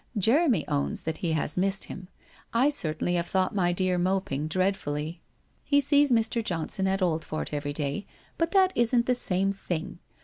Jeremy owns that he has missed him. I certainly have thought my dear moping dreadfully. He sees Mr. Johnson at Oldfort every day, but that isn't the same thing.